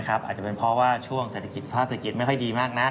อาจจะเป็นเพราะว่าช่วงเศรษฐกิจถ้าเศรษฐกิจไม่ค่อยดีมากนัก